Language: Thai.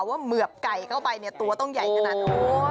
เหมือบไก่เข้าไปเนี่ยตัวต้องใหญ่ขนาดไหน